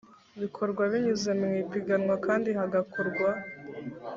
bikorwa binyuze mu ipiganwa kandi hagakorwa